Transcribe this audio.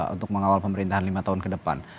untuk mengawal pemerintahan lima tahun ke depan